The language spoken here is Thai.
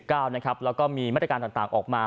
แล้วก็มีมาตรการต่างออกมา